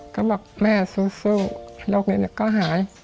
ก็บอกแม่สู้โรคนี้ก็หาย